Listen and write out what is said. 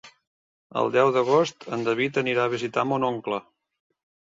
El deu d'agost en David anirà a visitar mon oncle.